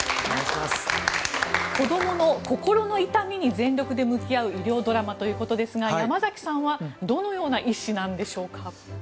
子供の心の痛みに全力で向き合う医療ドラマということですが山崎さんはどのような医師なんでしょうか。